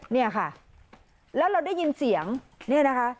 เนี่ยค่ะแล้วเราได้ยินเสียงเนี่ยนะคะ